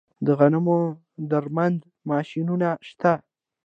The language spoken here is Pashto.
د غنمو درمند ماشینونه شته